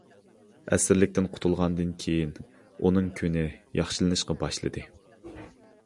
ئەسىرلىكتىن قۇتۇلغاندىن كېيىن، ئۇنىڭ كۈنى ياخشىلىنىشقا باشلىدى.